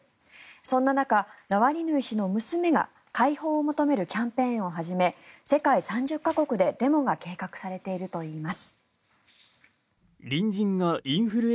そんな中、ナワリヌイ氏の娘が解放を求めるキャンペーンを始め世界３０か国で、デモが計画されているといいます。